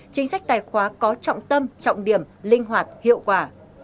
chính sách tài khóa có trọng tâm trọng điểm linh hoạt hiệu quả